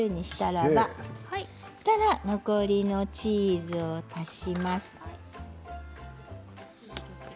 そうしたら残りのチーズを足します。